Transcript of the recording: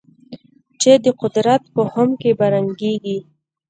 چې د قدرت په خُم کې به رنګېږي.